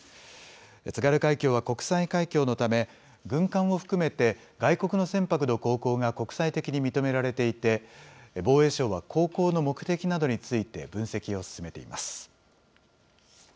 津軽海峡は国際海峡のため、軍艦を含めて外国の船舶の航行が国際的に認められていて、防衛省は航行の目的などについて、分析を進めています。